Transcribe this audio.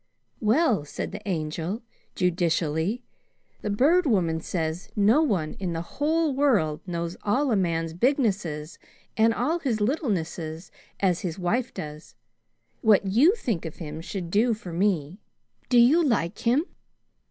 "Well," said the Angel judicially, "the Bird Woman says no one in the whole world knows all a man's bignesses and all his littlenesses as his wife does. What you think of him should do for me. Do you like him?"